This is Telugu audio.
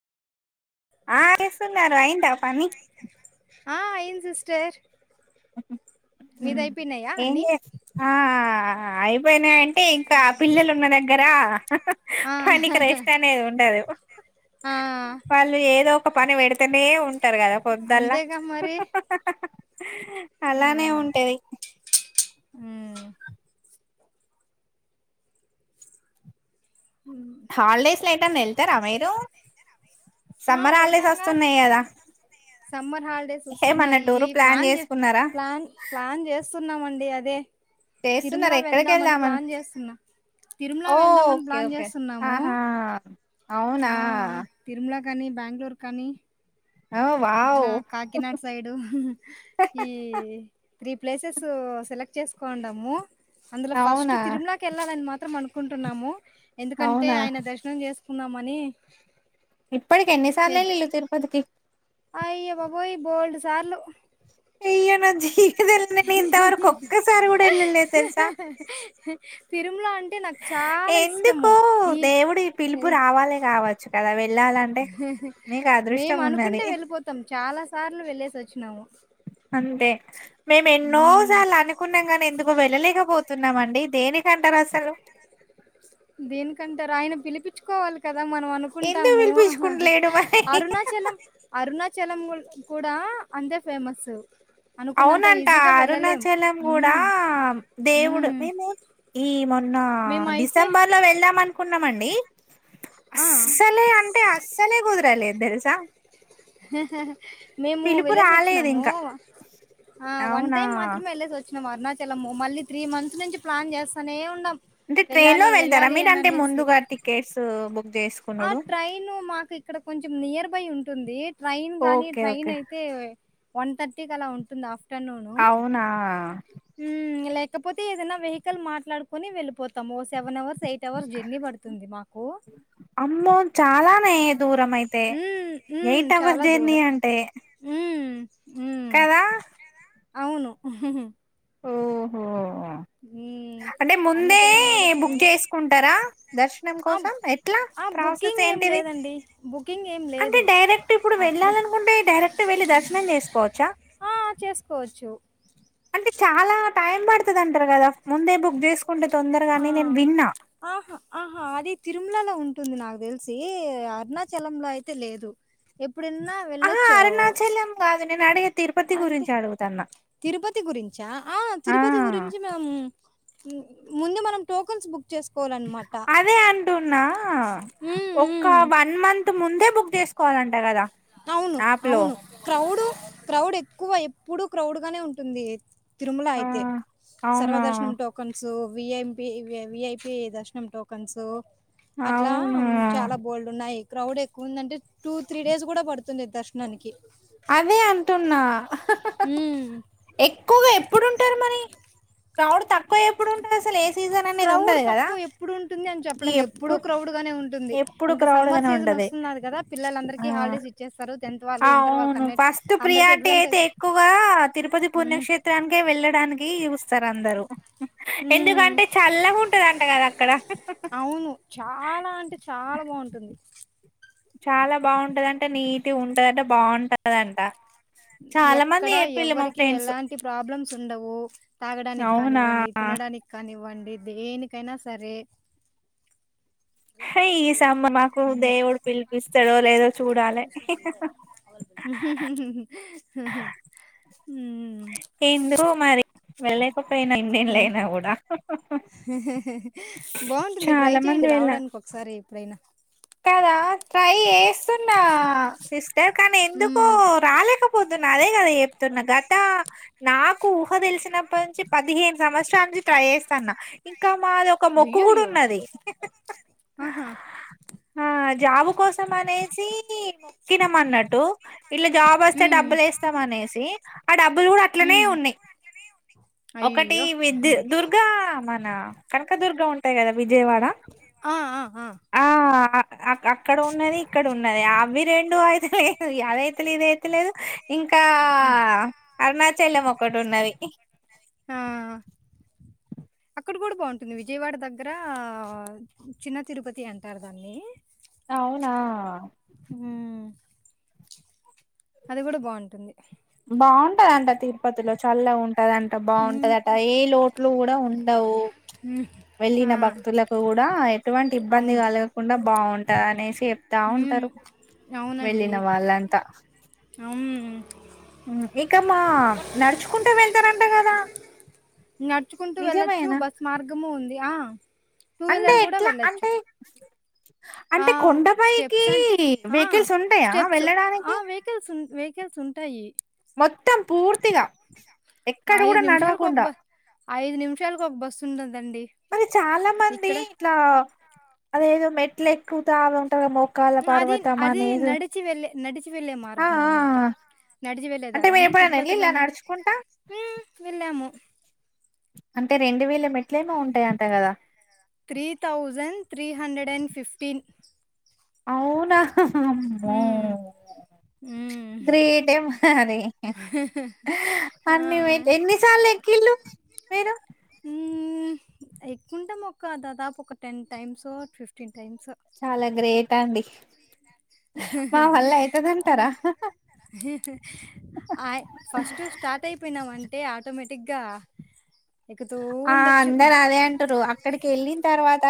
ఆ ఇస్తున్నారు అయింద పని ఆ అయింది సిస్టర్ మీది అయిపోయినాయా ఎం అన్ని చేస్ ఆ అయిపోయినాయి అంటే ఇంకా పిల్లలు ఉన్నదగ్గర దగ్గరా ఆ పనినికి రెస్ట్ అనేది ఉండదు ఆ వాళ్ళు ఏదో ఒక పని పెడితేనే ఉంటారు కదా పొద్దుల్లా అంతేగా మరి ఆ అలానే ఉంటది [inaudible] హాలిడేస్ లో ఏటన్నా ఎళ్తారా మీరు ఆ సమ్మర్ హల్ డేస్ వెళ్తాంగా వస్తున్నాయి గదా సమ్మర్ హాల్ డేస్ వస్తున్నాయి ప్లాన్ చే ప్లాన్ ప్లాన్ చేస్తున్నామండి అది చేస్తున్నార ఎక్కడికి వెళ్ళామ ప్లాన్ చేస్తున్నా తిరుమల వెళ్దామని ఓకే ప్లాన్ ఓకే చేస్తున్నాము ఆహా అవునా కనీ బెంగళూరు కనీ ఓ ఇట్లా వావ్ కాకినాడ సైడు ఈ త్రీ ప్లేసెస్ సెలెక్ట్ చేసుకోండము అందులో ఫస్ట్ అవునా తిరుమలకి వెళ్ళాలని మాత్రం అను కుంటున్నాము ఎందుకంటే అవునా ఆయన దర్శనం చేసుకుందాం మని ఇప్పటికి ఎన్ని సార్లు ఎళ్ళి లు తిరుపతికి అయ్యే బాబోయి బోల్డ్ సార్లు అయ్యో నా జీవితంలో నేను ఇంతవరకు ఒక్కసారి కూడా వెళ్ళలేదు తిరుమలా ఎందుకు దేవుడు పిలుపు రావాలి కావచ్చు గదా వెళ్ళాలంటే నీకు మేము అదృష్టం ఉన్నది అనుకుంటే వెళ్ళిపోతాం చాలా సార్లు వెళ్లేేసి వచ్చినాము అంతే మేము ఎన్నోసార్లు అనుకున్నాం గానీ ఎందుకో వెళ్ళలేకపోతున్నాం మండి దేనికంటరు అసలు దీనికంటేర్ ఆయన పిలిపించుకోవాలి కదా కదా మనం ఎందుకు అనుకుంటాము పిలిపించుకుంటలేడు మరి అరుణాచలం అరుణాచలం గూడ కూడా అంతే ఫేమస్ అనుకున్నంత అవునంట ఈజీగా వెళ్ళలేం అరుణాచలం కూడా మ్మ్ దేవుడు మ్మ్ మేము ఈ మొ నా మేమైతే డిసెంబర్ వెళ్దాంనుకున్నామండి ఆ అస్సలే అంటే అస్సలే కుదరలేదు దేరిసా [inaudible] మేము వెళ్ళసి రాలేదు వచ్చినము ఇంకా వన్ అవునా టైం మాత్రమే వెళ్ళసి వచ్ చ్చిన అరుణాచలం మళ్ళీ త్రీ మంత్స్ నుంచి ప్లాన్ చేస్తానే ఉన్నమ్ అంటే ట్రైన్ లో వెళ్ళాలి వెళ్తారా వెళ్ళాలి అని మీరంటే అనేసి ముందుగా టికెట్స్ బుక్ ఆ చేసుకునుడు ట్రైన్ మాకు ఇక్కడ కొంచెం నియర్ బై ఉంటుంది ట్రైన్ గానీ ఓకే ట్రైన్ ఓకే అయితే వన్ థర్టీ కలా ఉంటుంది ఆఫ్ ఆఫ్టనూన్ మ్ అవునా ఇంగాలే లేకపోతే ఏదైనా వెహికల్ మాట్లాడుకుని వెళ్ళిపోతాము మె seven hours eight hours journey పడుతుంది మాకు అమ్మో చాలానే దూరం అయితే మ్మ్ మ్మ్ ఎయిట్ అవర్స్ చాలా జర్నీ దూరం అంటే మ్మ్ మ్మ్ కదా అవును ఓహో మ్ అంటే ముందే బుక్ చేసుకుంటారా దర్శనం ఆ కోసం ఎట్లా ఆ ప్రాసెస్ బుకింగ్ ఏ ఏం లేదండి బుకింగ్ ఏం అంటే లేదు డైరెక్ట్ ఇప్పుడు అట్లే వెళ్ళాలనుకుంటే డైరెక్ట్ వెళ్ళి దర్శనం చేసుకోవ చ్చా ఆ చేసుకోవచ్చు అంటే చాలా టైం పడుతది అంటరు గదా ముందే బుక్ క్ చేసుకుంటే ఆ తొందరగాని నేను విన్నా ఆహా ఆహా అది తిరుమలలో ఉంటుంది నాకు తెలిసి అరుణాచలంలో అయితే లేదు ఎప్పుడన్నా ఆహ అరుణాచలం గాదు నేను అడిగే తిరుపతి అంతే గురించి అడుగుతున్నా తిరుపతి గురించా ఆ తిరుపతి గురించి మేము ముందు మనం టోకన్స్ బుక్ చేసుకోవాలన్నమాట అదే అంటున్నా ఉమ్ ఒక్క ఉమ్ వన్ మంత్ ముందే బుక్ చేస్కోవాలంట గదా ఔను ఔను క్రౌడ్ క్రౌడ్ ఎక్కువ ఎప్పుడూ క్రౌడ్ గానే ఉంటుంది తిరుముల ఆ ఐతే అవునా సర్వదర్శనం టోకన్సూ విఎంపి విఐపి దర్శనం టోకన్సు అట్లా అవును చాలా బోల్డున్నాయి క్రౌడ్ ఎక్కువ ఉదంటే టూ త్రీ డేస్ గుడా పడుతుంది దర్శనాన్కి అదే అంటున్న మ్మ్. ఎక్కువ ఎప్పుడుంటరు మరి క్రౌడ్ తక్ క్రౌడ్ కదా తక్కువ ఎప్పుడు ఉంటుంది అని చెప్పలేం ఎప్పుడూ ఎప్పుడు క్రౌడ్ గానే ఉంటుంది ఎప్పుడు ఇంక క్రౌడ్ సమ్మర్ గానే సీజన్ ఉంటది ఒస్తున్నది గదా పిల్లలందరికి హాలిడేస్ ఇచ్చేస్తారు టెన్త్ వాళ్ళు ఇంటర్ వాళ్ళకి ఔను అన్నిటి ఫస్ట్ అందరికీ ప్రియార్టి ఎగ్జామ్స్ ఐతే అయిపో ఎక్కువ్గా తిరుపతి మ్మ్. పుణ్యక్షేత్రానికే వెళ్ళడా నికి ఉస్తరందరు మ్మ్. ఎందుకంటే చల్లగుంటదంట గదా అక్కడ బాంటుంది చాలా బాంటదంట నీటిగుంటదట బాంటదంట ఉ ఎక్కడ ఎవర్కి ఫ్రెండ్స్ ఎలాంటి ప్రాబ్లమ్స్ ఉండవూ తాగడానికి అవునా కానివ్వండి తినడానికి కానీ నివ్వండి దేనికైనా సరే హై ఈ సమ్మ మాకు ఉమ్ దేవుడు పిలిపిస్తడో లేదో చూడాలే హు హూ హు హహు వెళ్ళేకపోయినా ఇన్నెళ్లైనా గుడా బాంటుంది ట్రై చాలా మంది చేయండి వెళ్ళ రావడానికి ఒక్సారి ఎప్పుడైన కదా ట్రై ఏస్తున్నా సిస్ టర్ కానీ ఎందుకో ఉమ్ రాలేకపోతున్న అదే అదె చెప్తున్నా గత నాకు ఊహ తెలిసినప్పటి నుంచి పదిహేను సంవత్సరాల నుంచి ట్రై చేస్తా అన్నా ఇంకా మాది ఒక్క మొక్కు గుడ అయ్యోయ్యో ఉన్నది ఆహా ఆ జాబు కోసం అనేసీ మొక్కినం అన్నట్టు ఇట్ల జాబ్ ఒస్తే ఉమ్ డబ్బులేస్తం అనేసి ఆ డబ్బులు గుడా అట్లనే ఉమ్ ఉన్నాయి ఒకటి అయ్యో వి ద్ దుర్గా మన కనకదుర్గ ఉంటాయ్ గదా విజయ్వాడ ఆ ఆ అక్కడ ఆ అ అక్కడ ఉన్నదీ ఇక్కడ ఉన్నది ఇక్కడ అవి రెండు ఉన్నది ఐతే అవి రెండు లేదు ఐదు లేదు అదైతే అదైతలే ఇదైతేలేద్ లేదు ఏది ఇంకా లేదు ఆ అరుణాచలం ఒక్కటున్నది అరుణాచలం ఒకటి ఉన్నది. ఆ అక్కడ కూడా బాంటుంది విజయవాడ దగ్గరా చిన్న తిరుపతి అంటారు దాన్ని ఔనా ఉమ్ అది గుడా బాంటుంది బాంటదంట తిరుపతిలో చల్లగ ఉ టదంట హ్మ్ బాంటదట ఏ లోట్లు గుడా ఉండవు హ్మ్ ఆ వెళ్ళిన భక్తులకు గుడా ఎటువంటి ఇబ్బంది అవును కలగకుండా బాంటది అనేసి హ్మ్ తావుంటరు అవునండి వెళ్ళిన వాళ్ళంతా అం ఉ ఇక మా నడుచుకుంటా వెళ్తారంట గదా నడుచ్కుంటూ వెళ్లచ్చు నిజమేనా? బస్ మార్గము ఉంది ఆ టూ అంటే వీలర్ కూడా ఎట్ల వెళ్ళొచ్చు అంటే ఆ అంటే కొండపైకి స్టెప్స్ అంటే ఆ వెహికల్స్ ఉంటాయా స్టెప్స్ అ వెళ్ళడానికి? వెహికల్స్ ఉం వెహికల్స్ ఉంటాయి ఇ మోత్తం పూర్తిగ ఎక్కడ ఐదు గుడా నిమిషాలకు నడవకుండ ఒక బ ఐదు నిమ్షాలకు ఒక బస్సు ఉంటుం మరి చాలా మంది ఇట్లా అదేదో మెట్లు ఎక్కుతాము అది అదీ నడిచి వెళ్లేే నడిచి వెళ్ళే ఆ! మార్గం ఆ! అన్మాట ఆ. నడిచి వెళ్లే దారి అంటే మీరెప్పుడైనా తిరుపతిలో ఎళ్ళిల్లా నుంచి నడుచుకుంటా? ఉ వెళ్ళాము అంటే రెండు వేల మెట్లు ఏమో ఉంటాయంట కదా? Three thousand three hundred and fifteen అవునా అమ్మో! హ్మ్ హ్మ్ గ్రేటే మరి ఆ అన్నీ మెట్ ఎన్నిసార్లు ఎక్కిల్లు మీరు? ఉమ్ ఎక్కుంటాం ఒక దాదాపు ఒక టెన్ టైమ్సో ఫిఫ్టీన్ టైంసో ట్టండి మా వళ్ళ అయిత దంటారా? ఆయ్ ఫస్ట్ స్టార్ట్ అయిపోయినాం అంటే ఆటోమేటి టిక్గా ఆ అందరు అదే అంటారు అక్కడికి వెళ్ళిన తర్వాత